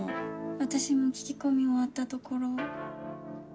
私も聞き込み終わったところ。